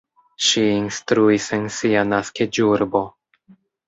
Ŝi instruis en sia naskiĝurbo.